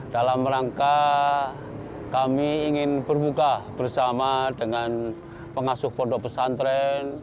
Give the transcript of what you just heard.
dalam rangka kami ingin berbuka bersama dengan pengasuh pondok pesantren